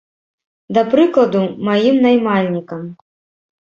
Да прыкладу, маім наймальнікам.